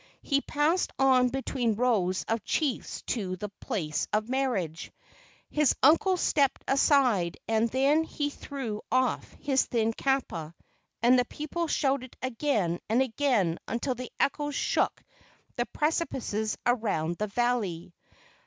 He passed on between rows of chiefs to the place of marriage. His uncles stepped aside, and then he threw off his thin kapa and the people shouted again and again until the echoes shook the precipices around the valley.